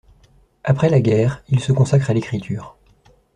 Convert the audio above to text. Après la guerre, il se consacre à l'écriture.